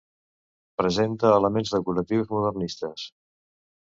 Presenta elements decoratius modernistes.